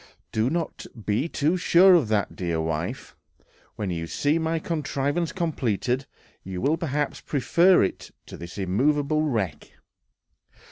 "Do not be too sure of that, dear wife; when you see my contrivance completed, you will perhaps prefer it to this immovable wreck."...